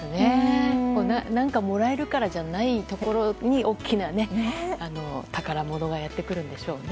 何かもらえるからじゃないところに大きな宝物がやってくるんでしょうね。